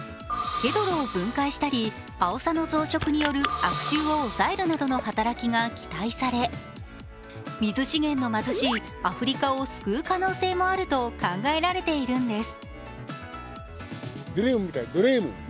ヘドロを分解したり、アオサの増殖による悪臭を抑えるなどの働きが期待され水資源の貧しいアフリカを救う可能性もあると考えられているんです。